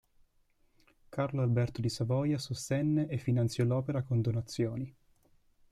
Carlo Alberto di Savoia sostenne e finanziò l'opera con donazioni.